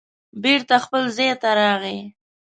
بېرته خپل ځای ته راغی